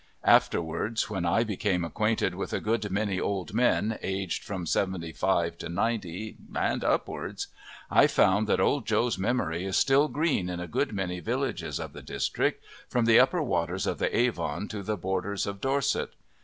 Afterwards when I became acquainted with a good many old men, aged from 75 to 90 and upwards, I found that Old Joe's memory is still green in a good many villages of the district, from the upper waters of the Avon to the borders of Dorset.